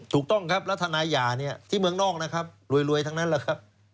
ถูกต้องครับรัฐนาย่าเนี่ยที่เมืองนอกนะครับรวยทั้งนั้นแหละครับ